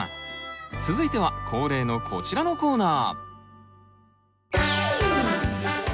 続いては恒例のこちらのコーナー。